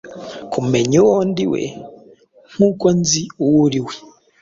Kumenya uwo ndiwe, nkuko nzi uwo uriwe